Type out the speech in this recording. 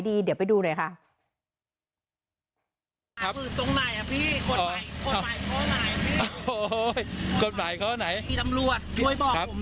พี่ตำรวจช่วยบอกผมหน่อย